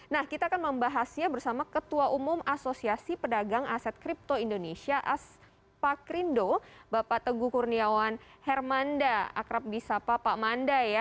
nah kita akan membahasnya bersama ketua umum asosiasi pedagang aset kripto indonesia as pak rindo bapak teguh kurniawan hermanda akrabbisa pak manda ya